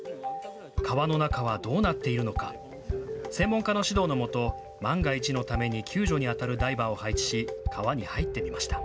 川の中はどうなっているのか、専門家の指導のもと万が一のために救助にあたるダイバーを配置し川に入ってみました。